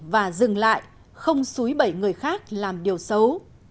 và dừng lại không xúi bẩy người khác làm điều xấu